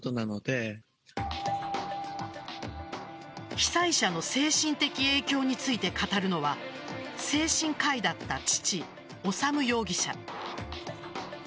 被災者の精神的影響について語るのは精神科医だった父・修容疑者。